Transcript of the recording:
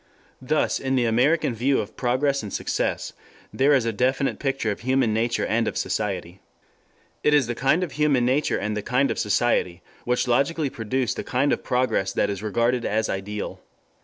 Thus in the American view of Progress and Success there is a definite picture of human nature and of society. It is the kind of human nature and the kind of society which logically produce the kind of progress that is regarded as ideal.